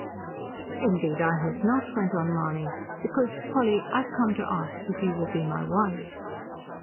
"Indeed, I hope not," went on Mahony. "Because, Polly, I've come to ask you if you will be my wife."